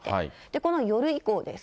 この夜以降です。